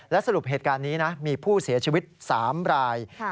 สรุปเหตุการณ์นี้นะมีผู้เสียชีวิต๓ราย